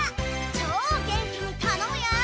超元気に頼むよ！